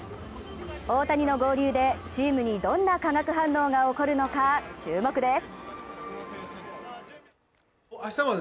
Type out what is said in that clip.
大谷の合流でチームにどんな化学反応が起こるのか、注目です。